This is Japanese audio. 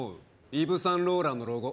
イヴ・サンローランのロゴ